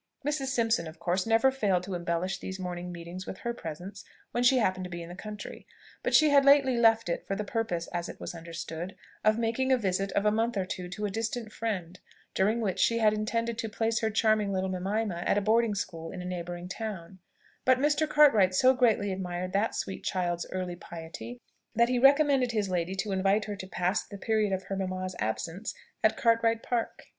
Mrs. Simpson, of course, never failed to embellish these morning meetings with her presence when she happened to be in the country; but she had lately left it, for the purpose, as it was understood, of making a visit of a month or two to a distant friend, during which she had intended to place her charming little Mimima at a boarding school in a neighbouring town; but Mr. Cartwright so greatly admired that sweet child's early piety that he recommended his lady to invite her to pass the period of her mamma's absence at Cartwright Park.